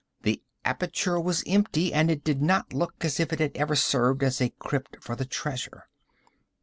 The aperture was empty, and it did not look as if it had ever served as a crypt for treasure.